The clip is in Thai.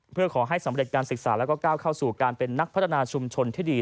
เพื่อขอให้สำเร็จการศึกษาแล้วก็ก้าวเข้าสู่การเป็นนักพัฒนาชุมชนที่ดี